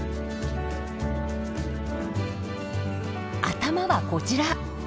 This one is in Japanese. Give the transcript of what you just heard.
頭はこちら。